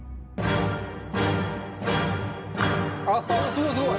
あっすごいすごい！